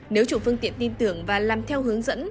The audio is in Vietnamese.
nếu chủ phương tiện tin tưởng và làm theo hướng dẫn